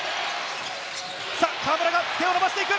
河村が手を伸ばしていく。